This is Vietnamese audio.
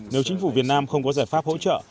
nếu chính phủ việt nam không có giải pháp hỗ trợ